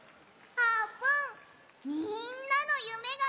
あーぷん！